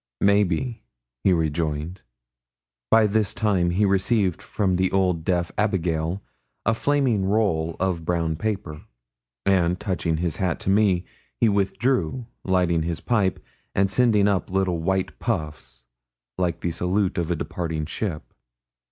'Maybe,' he rejoined. By this time he received from the old deaf abigail a flaming roll of brown paper, and, touching his hat to me, he withdrew, lighting his pipe and sending up little white puffs, like the salute of a departing ship.